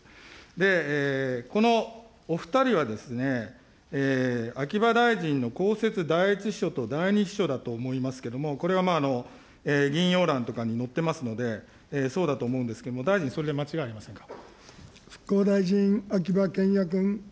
で、このお２人はですね、秋葉大臣の公設第１秘書と第２秘書だと思いますけれども、これは引用欄とかに載っていると思いますので、そうだと思うんですけども、大臣、それで間違いありませんか。